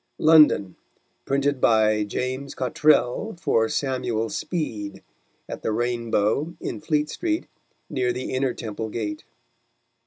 London: Printed by Ja: Cottrell for Samuel Speed, at the Rain Bow in Fleetstreet, near the Inner Temple Gate.